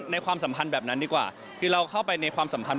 ความสัมพันธ์แบบนั้นดีกว่าคือเราเข้าไปในความสัมพันธ